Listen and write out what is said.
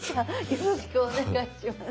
よろしくお願いします。